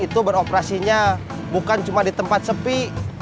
itu beroperasinya bukan cuma di tempat sepi